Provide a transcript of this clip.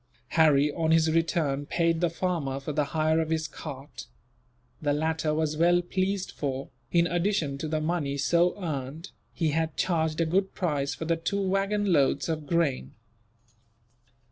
Harry, on his return, paid the farmer for the hire of his cart. The latter was well pleased for, in addition to the money so earned, he had charged a good price for the two waggon loads of grain.